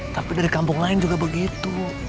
tapi dari kampung lain juga begitu